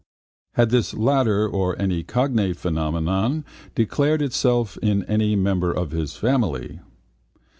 Had this latter or any cognate phenomenon declared itself in any member of his family?